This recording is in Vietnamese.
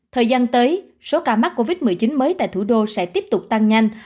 thời gian tới số ca mắc covid một mươi chín mới tại thủ đô sẽ tiếp tục tăng nhanh